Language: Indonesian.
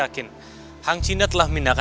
tentang tangan tunggu kak